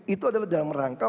itu adalah dalam rangka